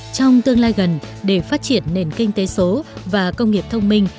trong tương lai gần để phát triển nền kinh tế số và công nghiệp thông minh